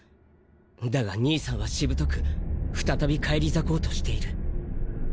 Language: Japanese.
だが兄さんはしぶとく再び返り咲こうとしている。